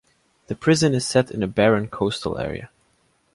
The prison is set in a barren coastal area.